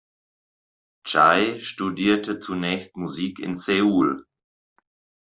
Chae studierte zunächst Musik in Seoul.